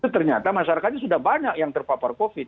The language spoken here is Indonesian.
ternyata masyarakatnya sudah banyak yang terpapar covid